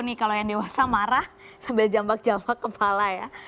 nih kalau yang dewasa marah sambil jambak jambak kepala ya